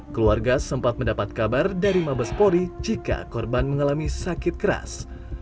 keluarga sempat mendapat kabar dari mabespori jika korban mengalami sakit keras